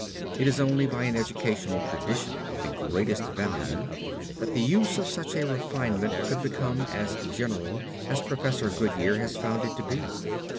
It is only by an educational tradition of the greatest value that the use of such a refinement could become as general as Professor Goodyear has found it to be.